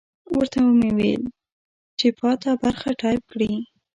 ورته مې وویل چې پاته برخه ټایپ کړي.